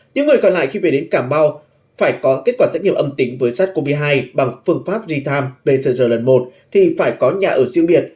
những người còn lại khi về đến cà mau phải có kết quả xét nghiệm âm tính với sars cov hai bằng phương pháp real time pcr lần một thì phải có nhà ở riêng biệt